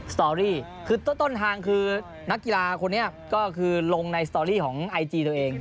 สตอรี่คือต้นทางคือนักกีฬาคนนี้ก็คือลงในสตอรี่ของไอจีตัวเอง